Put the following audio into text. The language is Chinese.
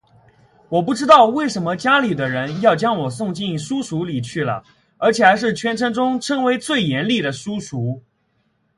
我不知道为什么家里的人要将我送进书塾里去了而且还是全城中称为最严厉的书塾